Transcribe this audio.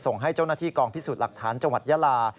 ส่งให้เจ้าหน้าที่กองพิสูจน์หลักฐานจังหวัดยาลา